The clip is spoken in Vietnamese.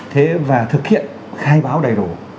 thế và thực hiện khai báo đầy đủ